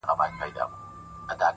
د حقیقت درناوی اعتماد زیاتوي؛